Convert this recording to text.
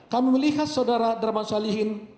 kami melihat saudara darman salihin